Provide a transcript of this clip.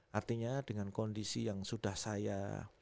artinya dengan kondisi yang sudah saya